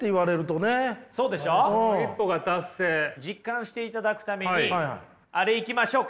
実感していただくためにあれいきましょうか。